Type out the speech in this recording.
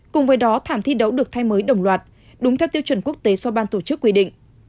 cùng với đó thảm thi đấu được thay mới đồng loạt đúng theo tiêu chuẩn quốc tế do ban tổ chức quy định